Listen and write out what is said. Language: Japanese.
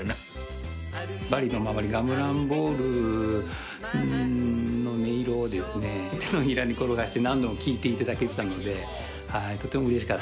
バリのお守りガムランボールの音色を手のひらに転がして何度も聞いていただけてたのでとてもうれしかったですね。